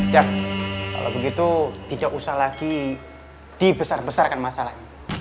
jah kalau begitu tidak usah lagi dibesar besarkan masalah